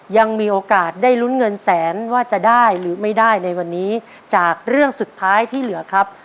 ยังมีโอกาสได้ลุ้นเงินแสนว่าจะได้หรือไม่ได้ในวันนี้จากเรื่องสุดท้ายที่เหลือครับ